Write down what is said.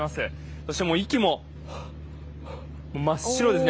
そして息も真っ白ですね。